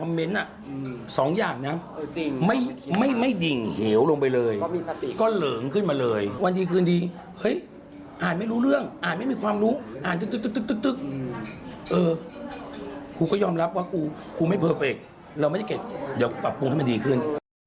เราไม่เก่งเดี๋ยวปรับปรุงให้มันดีขึ้น